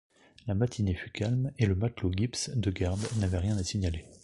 La matinée fut calme et le matelot Gibbs, de garde, n'avait rien à signaler.